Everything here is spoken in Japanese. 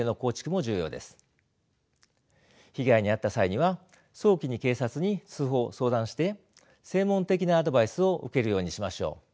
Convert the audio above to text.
被害に遭った際には早期に警察に通報相談して専門的なアドバイスを受けるようにしましょう。